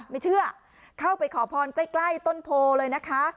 ไม่เชื่อเข้าไปขอพรใกล้ต้นโพเลยนะคะ